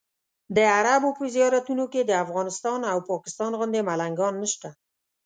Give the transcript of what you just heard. د عربو په زیارتونو کې د افغانستان او پاکستان غوندې ملنګان نشته.